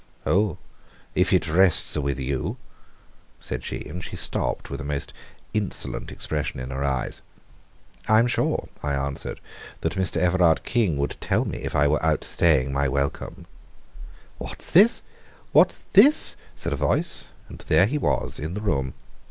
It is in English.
"Oh, if it rests with you " said she, and stopped with a most insolent expression in her eyes. "I am sure," I answered, "that Mr. Everard King would tell me if I were outstaying my welcome." "What's this? What's this?" said a voice, and there he was in the room.